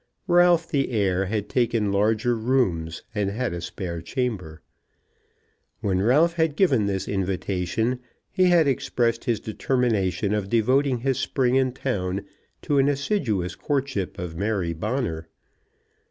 Ralph the heir had taken larger rooms, and had a spare chamber. When Ralph had given this invitation, he had expressed his determination of devoting his spring in town to an assiduous courtship of Mary Bonner.